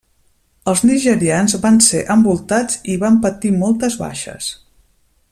Els nigerians van ser envoltats i van patir moltes baixes.